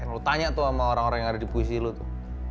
lo tanya tuh sama orang orang yang ada di puisi lu tuh